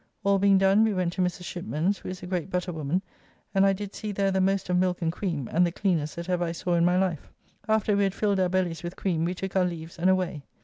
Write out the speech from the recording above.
All being done, we went to Mrs. Shipman's, who is a great butter woman, and I did see there the most of milk and cream, and the cleanest that ever I saw in my life. After we had filled our bellies with cream, we took our leaves and away.